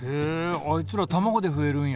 あいつらたまごで増えるんや。